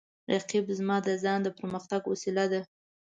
رقیب زما د ځان د پرمختګ وسیله ده